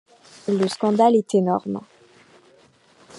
Le scandale est énorme.